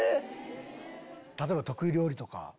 例えば得意料理とか？